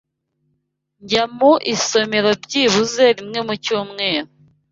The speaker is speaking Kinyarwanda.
Njya mu isomero byibuze rimwe mu cyumweru.